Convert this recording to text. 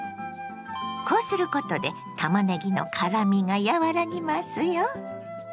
こうすることでたまねぎの辛みが和らぎますよ。